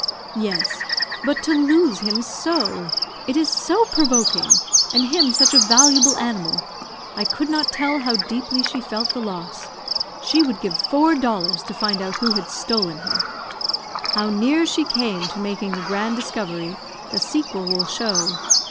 "Yes; but to lose him so. It is so provoking; and him such a valuable animal. I could not tell how deeply she felt the loss. She would give four dollars to find out who had stolen him." How near she came to making the grand discovery the sequel will show.